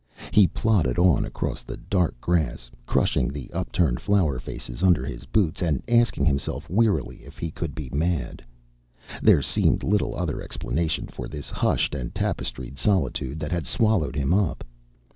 He plodded on across the dark grass, crushing the upturned flower faces under his boots and asking himself wearily if he could be mad. There seemed little other explanation for this hushed and tapestried solitude that had swallowed him up.